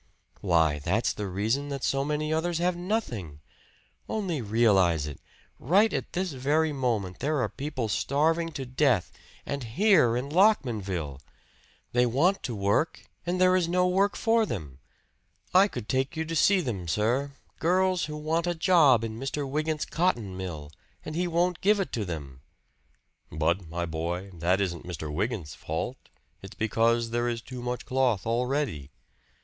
"Why that's the reason that so many others have nothing! Only realize it right at this very moment there are people starving to death and here in Lockmanville! They want to work, and there is no work for them! I could take you to see them, sir girls who want a job in Mr. Wygant's cotton mill, and he won't give it to them!" "But, my boy that isn't Mr. Wygant's fault! It's because there is too much cloth already."